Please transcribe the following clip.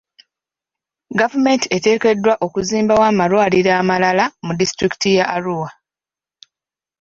Gavumenti eteekeddwa okuzimbawo amalwaliro amalala mu disitulikiti ya Arua.